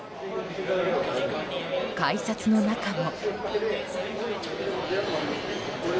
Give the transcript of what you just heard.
改札の中も。